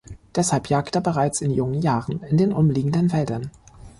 Deshalb jagt er bereits in jungen Jahren in den umliegenden Wäldern.